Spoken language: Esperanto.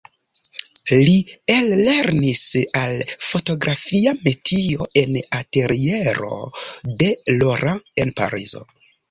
Li ellernis al fotografia metio en ateliero de Laurent en Parizo.